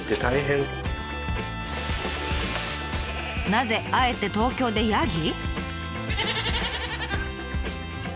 なぜあえて東京でヤギ？